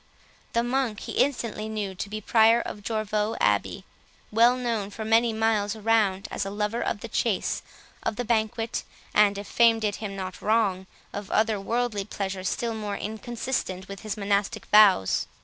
The monk he instantly knew to be the Prior of Jorvaulx Abbey, well known for many miles around as a lover of the chase, of the banquet, and, if fame did him not wrong, of other worldly pleasures still more inconsistent with his monastic vows.